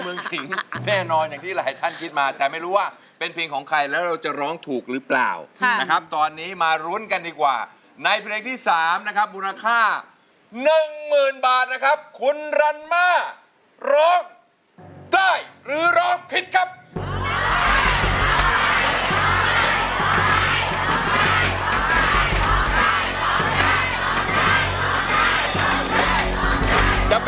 แน่นอนอย่างที่หลายท่านคิดมาแต่ไม่รู้ว่าเป็นเพลงของใครแล้วเราจะร้องถูกหรือเปล่านะครับตอนนี้มาลุ้นกันดีกว่าในเพลงที่๓นะครับมูลค่าหนึ่งหมื่นบาทนะครับคุณรันมาร้องได้หรือร้องผิดครับ